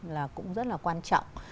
là cũng rất là quan trọng